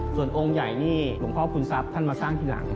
ส่วนองค์ใหญ่นี่หลวงพ่อคุณทรัพย์ท่านมาสร้างทีหลัง